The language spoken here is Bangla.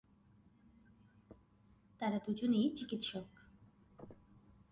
তারা দুজনেই চিকিৎসক।